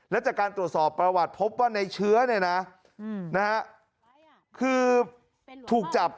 และจากการตรวจสอบประวัติพบว่าในเชื้อเนี่ยนะคือถูกจับ